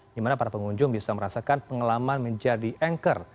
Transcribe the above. dimana para pengunjung bisa merasakan pengalaman menjadi anchor